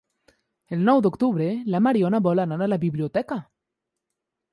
El nou d'octubre na Mariona vol anar a la biblioteca.